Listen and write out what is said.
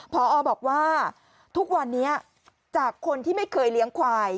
พอบอกว่าทุกวันนี้จากคนที่ไม่เคยเลี้ยงควาย